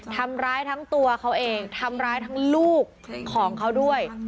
ทำร้ายทั้งตัวเขาเองทำร้ายทั้งลูกของเขาด้วย